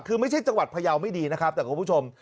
คือไม่ใช่จังหวัดพยาวไม่ดีนะครับแต่คุณผู้ชม